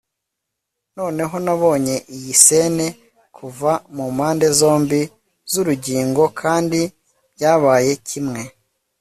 noneho nabonye iyi scene kuva kumpande zombi zurugingo, kandi byabaye kimwe